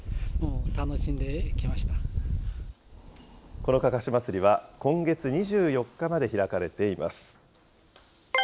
このかかし祭りは、今月２４日まで開かれています。